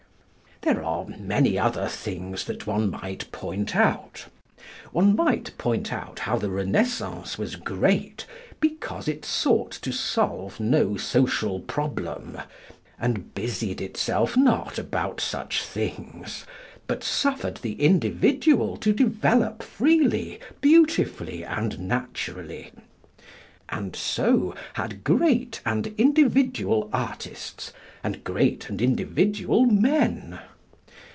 There are many other things that one might point out. One might point out how the Renaissance was great, because it sought to solve no social problem, and busied itself not about such things, but suffered the individual to develop freely, beautifully, and naturally, and so had great and individual artists, and great and individual men.